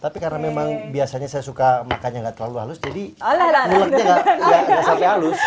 tapi karena memang biasanya saya suka makannya nggak terlalu halus jadi mulutnya nggak sampai halus